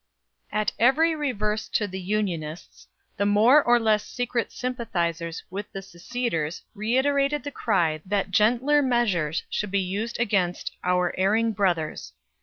At every reverse to the Unionists, the more or less secret sympathizers with the seceders reiterated the cry that gentler measures should be used against "our erring brothers."